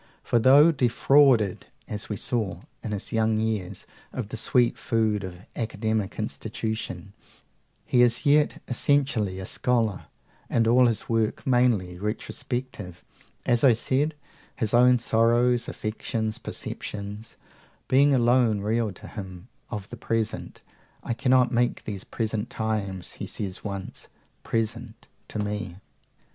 For though "defrauded," as we saw, in his young years, "of the sweet food of academic institution," he is yet essentially a scholar, and all his work mainly retrospective, as I said; his own sorrows, affections, perceptions, being alone real to him of the present. "I cannot make these present times," he says once, "present to me."